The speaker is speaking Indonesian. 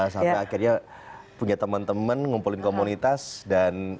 sampai akhirnya punya teman teman ngumpulin komunitas dan